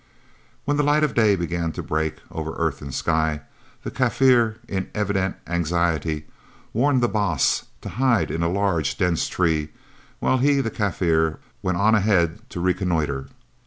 When the light of day began to break over earth and sky, the Kaffir, in evident anxiety, warned the Baas to hide in a large dense tree while he, the Kaffir, went on ahead to reconnoitre.